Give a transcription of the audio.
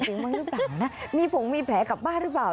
ไม่เรียกล่างนะนี่ผมมีแผงกลับบ้านรึเปล่า